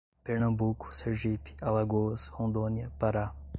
Pernambuco, Sergipe, Alagoas, Rondônia, Pará